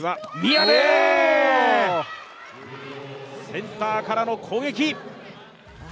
センターからの攻撃。